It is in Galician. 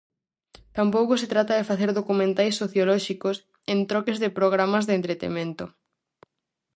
Tampouco se trata de facer documentais sociolóxicos en troques de programas de entretemento.